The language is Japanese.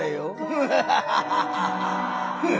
フハハハハ！